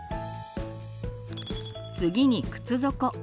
次に靴底。